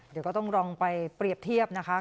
เดี๋ยวก็ต้องลองไปเปรียบเทียบนะคะ